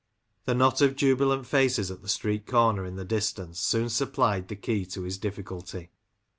The knot of jubilant faces at the street comer in the distance soon sup' plied the key to his difficulty.